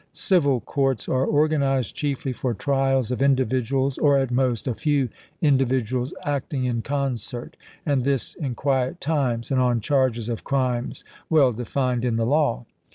Civil courts are organized chiefly for trials of individuals or, at most, a few indivi duals acting in concert, and this in quiet times and on charges of crimes well denned in the law.